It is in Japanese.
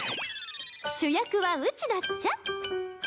主役はうちだっちゃ。